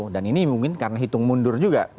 dan ini mungkin karena hitung mundur juga